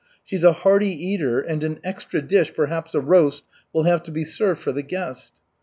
"She's a hearty eater and an extra dish, perhaps a roast, will have to be served for the guest."